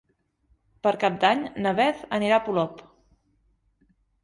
Per Cap d'Any na Beth anirà a Polop.